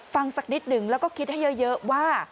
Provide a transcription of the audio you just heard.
สักนิดหนึ่งแล้วก็คิดให้เยอะว่า